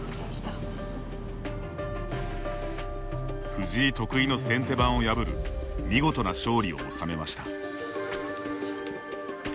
藤井得意の先手番を破る見事な勝利を収めました。